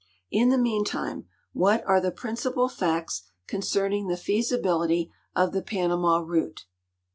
In the meantime, what are the principal facts concerning the feasibility of the Panama route?